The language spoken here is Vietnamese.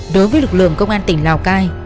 đối với lực lượng công an tỉnh lào cai